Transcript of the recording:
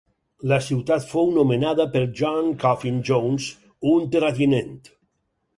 La ciutat fou nomenada per John Coffin Jones, un terratinent.